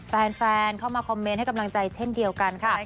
แฟนเข้ามาคอมเมนต์ให้กำลังใจเช่นเดียวกันค่ะ